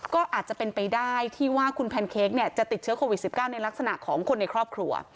ก็อาจจะเป็นไปได้ที่ว่าคุณแพนเค้กจะติดเชื้อโควิด๑๙ในลักษณะของคนในครอบครัว